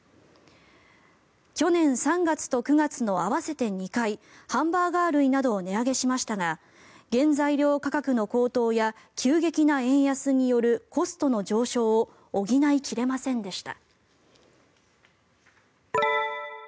去年３月と９月の合わせて２回ハンバーガー類などを値上げしましたが原材料価格の高騰や急激な円安によるコストの上昇を補い切れませんでした。